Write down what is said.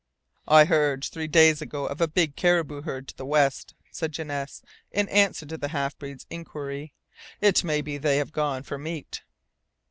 "I heard three days ago of a big caribou herd to the west," said Janesse in answer to the half breed's inquiry. "It may be they have gone for meat."